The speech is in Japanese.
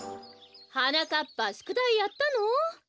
はなかっぱしゅくだいやったの？